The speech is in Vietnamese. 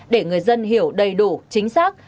để người dân hiểu đầy đủ chính xác